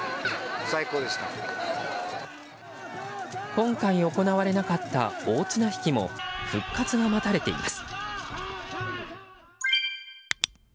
今回、行われなかった大綱引きも復活が待たれています。